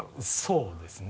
そうですね。